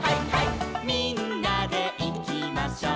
「みんなでいきましょう」